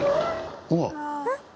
うわっ。